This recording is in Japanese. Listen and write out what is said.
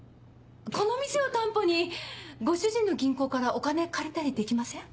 この店を担保にご主人の銀行からお金借りたりできません？